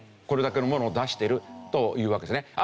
これだけのものを出してるというわけですね。